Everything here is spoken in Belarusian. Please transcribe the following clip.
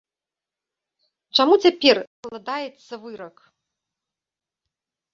Чаму цяпер адкладаецца вырак?